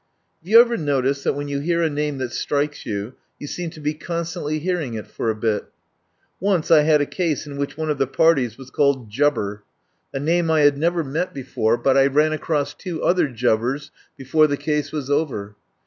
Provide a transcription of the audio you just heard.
Have you ever noticed that, when you hear a name that strikes you, you seem to be con stantly hearing it for a bit. Once I had a case in which one of the parties was called Jubber, a name I had never met before, but 34 I FIRST HEAR OF ANDREW LUMLEY I ran across two other Jubbers before the case was over.